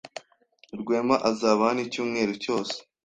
Rwema azaba hano icyumweru cyose.